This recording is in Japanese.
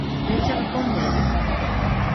電車が混んでいる。